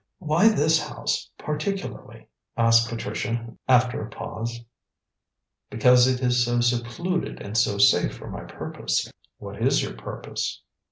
"Why this house particularly?" asked Patricia, after a pause. "Because it is so secluded, and so safe for my purpose." "What is your purpose?"